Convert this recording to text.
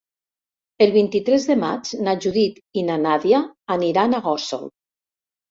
El vint-i-tres de maig na Judit i na Nàdia aniran a Gósol.